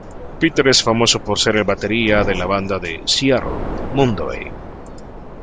Peters es famoso por ser el batería de la banda de Seattle, Mudhoney.